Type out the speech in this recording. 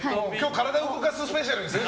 体動かすスペシャルですね。